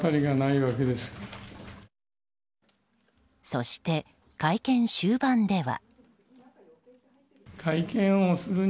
そして、会見終盤では。